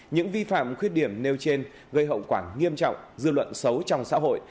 những vi phạm khuyết điểm nêu trên gây hậu quả nghiêm trọng dư luận xấu trong xã hội